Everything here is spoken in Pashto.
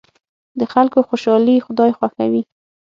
د خلکو خوشحالي خدای خوښوي.